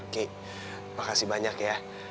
ki makasih banyak ya